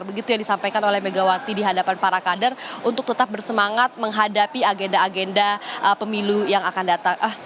begitu yang disampaikan oleh megawati di hadapan para kader untuk tetap bersemangat menghadapi agenda agenda pemilu yang akan datang